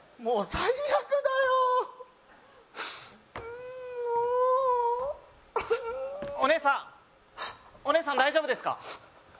もうお姉さんお姉さん大丈夫ですか？